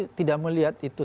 saya tidak melihat itu